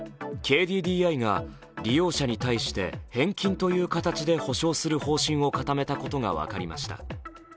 ＫＤＤＩが利用者に対して返金という形で補償する方針を固めたことが分かりました。